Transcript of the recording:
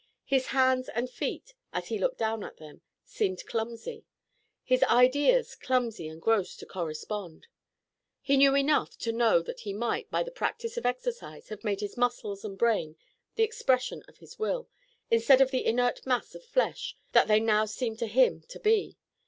His hands and feet, as he looked down at them, seemed clumsy, his ideas clumsy and gross to correspond. He knew enough to know that he might, by the practice of exercises, have made his muscles and brain the expression of his will, instead of the inert mass of flesh that they now seemed to him to be.